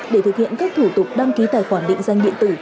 để thực hiện các thủ tục đăng ký tài khoản định danh điện tử